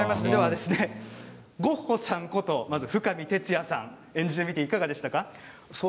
ゴッホさんこと深海哲哉さん演じてみていかがでしたか？